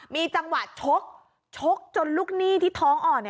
มีจังหวะชกชกจนลูกหนี้ที่ท้องอ่อน